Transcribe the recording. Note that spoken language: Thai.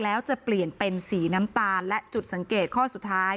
แล้วจะเปลี่ยนเป็นสีน้ำตาลและจุดสังเกตข้อสุดท้าย